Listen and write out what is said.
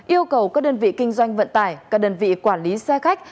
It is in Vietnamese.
yêu cầu các đơn vị kinh doanh vận tải các đơn vị quản lý xe khách